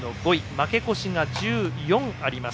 負け越しが１４あります